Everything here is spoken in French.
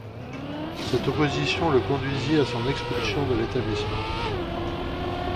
Cette opposition le conduisit à son expulsion de l'établissement.